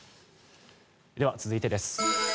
では、続いてです。